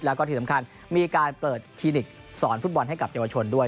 แล้วก็ที่สำคัญมีการเปิดคลินิกสอนฟุตบอลให้กับเยาวชนด้วย